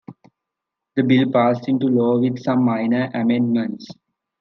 The Bill passed into law with some minor amendments.